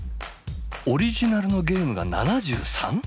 オリジナルのゲームが７３！